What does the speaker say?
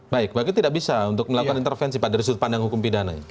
baik bagaimana tidak bisa untuk melakukan intervensi dari sudut pandang hukum pidana